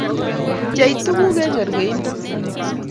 bchei tuguk eng' kerkeindo